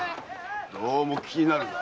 どうも気になるな。